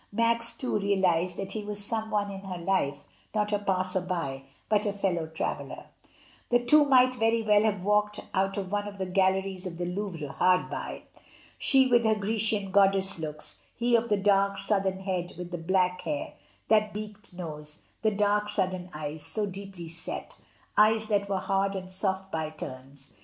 Max, too, realised that he was some one in her life, not a passer by, but a fellow traveller. The two might very well have walked out of one of the galleries of the Louvre hard by. She with her Grecian goddess looks, he of the dark, southern head with the black hair, that beaked nose, the dark, sudden eyes, so deeply set, eyes that were hard and soft by turns.